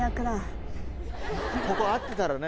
ここ合ってたらね。